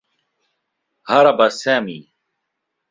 هرب سامي.